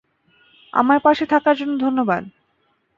আমার পাশে থাকার জন্য ধন্যবাদ।